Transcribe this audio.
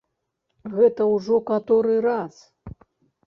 Гэта ўжо каторы раз!